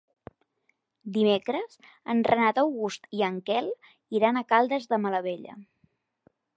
Dimecres en Renat August i en Quel iran a Caldes de Malavella.